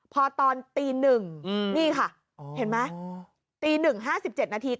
พอตอนตีหนึ่งนี่ค่ะเห็นไหมตีหนึ่งห้าสิบเจ็ดนาที